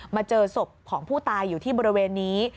เจอศพของผู้ตายอยู่ที่บริเวณนี้